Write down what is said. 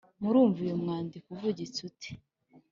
murumva uyu mwandiko uvugitse ute?